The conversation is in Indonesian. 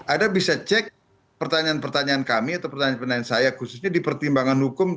anda bisa cek pertanyaan pertanyaan kami atau pertanyaan pertanyaan saya khususnya di pertimbangan hukum